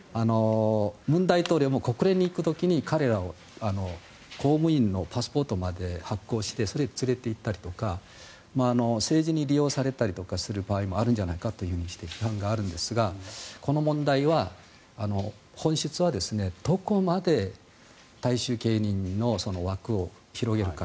文大統領も国連に行く時に彼らを公務員のパスポートまで発行してそれで連れていったりとか政治に利用されたりとかする場合もあるんじゃないかという批判があるんですがこの問題は本質はどこまで大衆芸人の枠を広げるか。